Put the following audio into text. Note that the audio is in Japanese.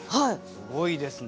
すごいですね。